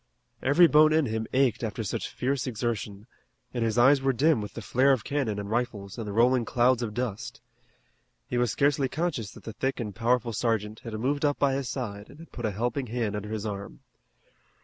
Every bone in him ached after such fierce exertion, and his eyes were dim with the flare of cannon and rifles and the rolling clouds of dust. He was scarcely conscious that the thick and powerful sergeant had moved up by his side and had put a helping hand under his arm.